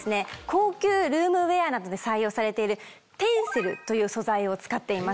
高級ルームウエアなどで採用されているテンセルという素材を使っています。